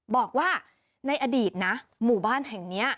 บอกว่าในอดีตนะหมู่บ้านแห่งนี้